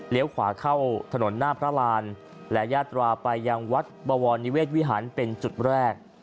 ขวาเข้าถนนหน้าพระรานและยาตราไปยังวัดบวรนิเวศวิหารเป็นจุดแรก